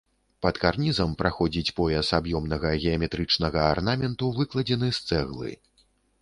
Пад карнізам праходзіць пояс аб'ёмнага геаметрычнага арнаменту, выкладзены з цэглы.